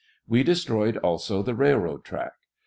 We destroyed also the railroad track.